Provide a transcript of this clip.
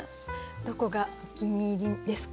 どこがお気に入りですか？